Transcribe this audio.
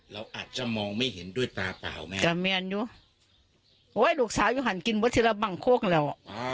เราอาจจะมองไม่เห็นด้วยตาเปล่าแม่แต่เมียนอยู่โอ้ยลูกสาวอยู่หันกินวัชิระบังโคกแล้วอ่ะ